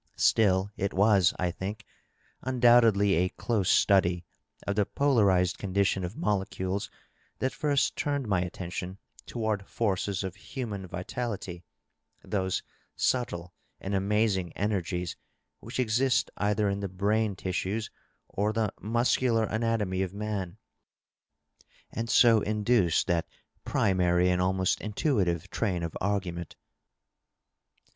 Still, it was, I think, undoubtedly a close study of the polarized condition of molecules that first turned my attention toward forces of human vitality — those subtle and amazing energies which exist either in the brain tissues or the muscular anatomy of man — and 80 induced that primary and almost intuitive train of argument.